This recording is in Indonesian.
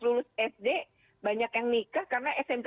lulus sd banyak yang nikah karena smp